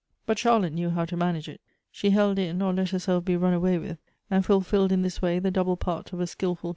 But Charlotte knew how to manage it. She held in, or let herself be run away with, and fulfilled in this way the double part of a skilful co".